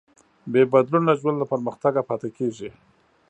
بېبدلونه ژوند له پرمختګه پاتې کېږي.